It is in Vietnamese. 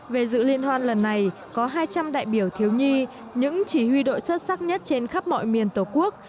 về dự liên hoan lần này có hai trăm linh đại biểu thiếu nhi những chỉ huy đội xuất sắc nhất trên khắp mọi miền tổ quốc